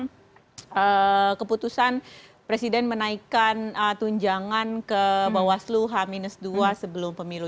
tentang keputusan presiden menaikan tunjangan ke bawah selu h dua sebelum pemilu